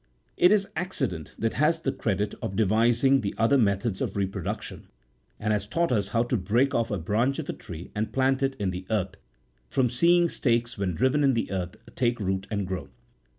It. is accident that has the credit of devising the other me thods of reproduction, and has taught us how to break off a branch of a tree and plant it in the earth, from seeing stakes, when driven in the earth, take root, and grow.